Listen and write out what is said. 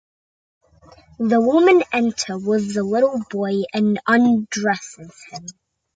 The woman enter with the little boy and undresses him.